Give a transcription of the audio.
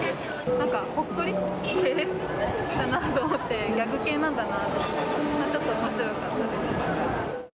なんかほっこり系？かなと思って、ギャグ系なんだなと、ちょっとおもしろかったです。